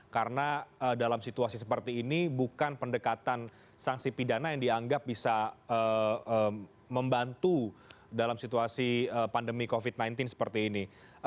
karena dalam situasi seperti ini bukan pendekatan sanksi pidana yang dianggap bisa membantu dalam situasi pandemi covid sembilan belas seperti ini